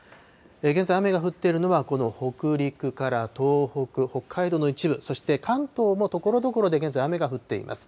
現在、雨が降っているのは、この北陸から東北、北海道の一部、そして関東もところどころで現在、雨が降っています。